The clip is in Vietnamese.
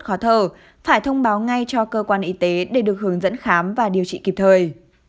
khó thở phải thông báo ngay cho cơ quan y tế để được hướng dẫn khám và điều trị kịp thời